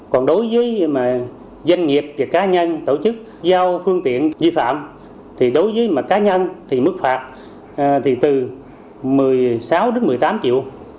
còn đối với doanh nghiệp và cá nhân tổ chức giao phương tiện di phạm thì đối với cá nhân thì mức phạt thì từ một mươi sáu đến một mươi tám triệu